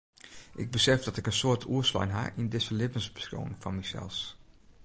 Ik besef dat ik in soad oerslein ha yn dizze libbensbeskriuwing fan mysels.